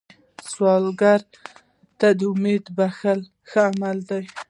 سوالګر ته امید بښل ښه عمل دی